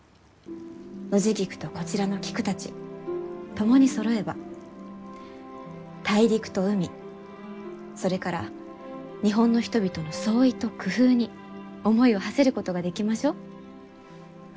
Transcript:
ノジギクとこちらの菊たち共にそろえば大陸と海それから日本の人々の創意と工夫に思いをはせることができましょう。